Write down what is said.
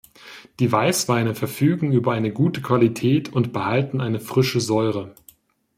Die Weißweine verfügen über eine gute Qualität und behalten eine frische Säure.